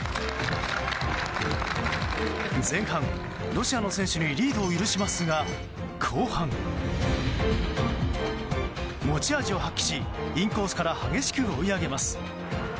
前半、ロシアの選手にリードを許しますが後半持ち味を発揮し、インコースから激しく追い上げます。